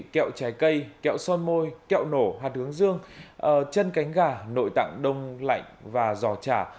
kẹo trái cây kẹo son môi kẹo nổ hạt hướng dương chân cánh gà nội tạng đông lạnh và giò chả